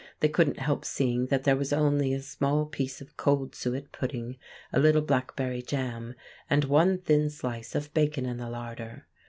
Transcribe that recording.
They couldn't help seeing that there was only a small piece of cold suet pudding, a little blackberry jam, and one thin slice of bacon in the larder.